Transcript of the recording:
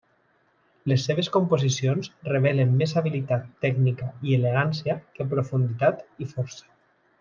Les seves composicions revelen més habilitat tècnica i elegància que profunditat i força.